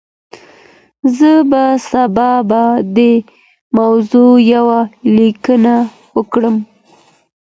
زه به سبا په دې موضوع يوه ليکنه وکړم.